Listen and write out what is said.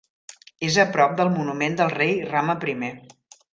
És a prop del "Monument del rei Rama Primer".